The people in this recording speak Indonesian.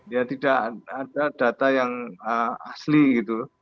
ya tidak ada data yang asli gitu